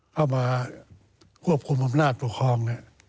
เข้ามาควบคุมอำนาจปกครอง